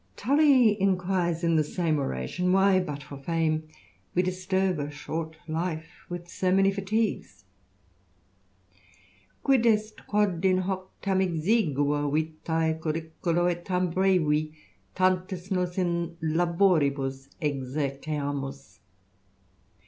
Tully enquires, in the same oration, why, but for fame, '^'e disturb a short life with so many fatigues ?" Quid est quod in hoc tarn exiguo vita curricula et tarn brevi^ tantis nos in laborilms exerceamus?"